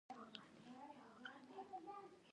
هغه څوک چې په عقل او تمدن نه دي تړل شوي